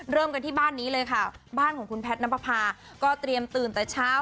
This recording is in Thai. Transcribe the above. เริ่มกันที่บ้านนี้เลยค่ะบ้านของคุณแพทย์น้ำประพาก็เตรียมตื่นแต่เช้า